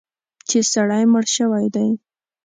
چې سړی مړ شوی دی.